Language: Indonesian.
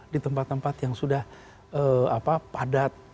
di tempat tempat yang sudah padat